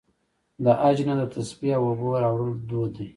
د حج نه د تسبیح او اوبو راوړل دود دی.